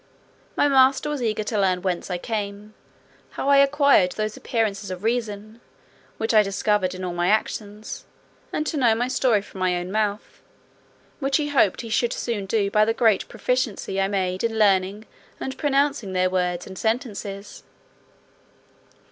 My master was eager to learn "whence I came; how I acquired those appearances of reason, which I discovered in all my actions; and to know my story from my own mouth, which he hoped he should soon do by the great proficiency I made in learning and pronouncing their words and sentences."